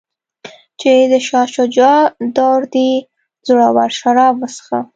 چې د شاه شجاع دور دی زړور شراب وڅښه.